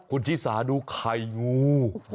คุณชิสาดูไข่งู